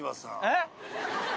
えっ？